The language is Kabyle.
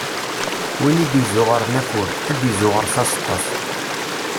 Win i d-izzuɣren afurk, ad d-izzuɣer taseṭṭa-s.